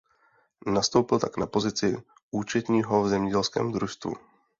Nastoupil tak na pozici účetního v zemědělském družstvu.